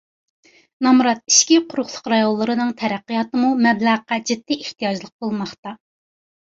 نامرات ئىچكى قۇرۇقلۇق رايونلىرىنىڭ تەرەققىياتىمۇ مەبلەغقە جىددىي ئېھتىياجلىق بولماقتا.